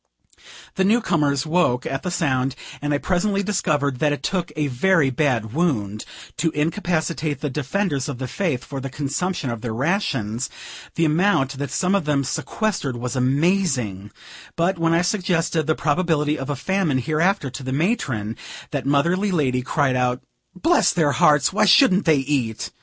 The new comers woke at the sound; and I presently discovered that it took a very bad wound to incapacitate the defenders of the faith for the consumption of their rations; the amount that some of them sequestered was amazing; but when I suggested the probability of a famine hereafter, to the matron, that motherly lady cried out: "Bless their hearts, why shouldn't they eat?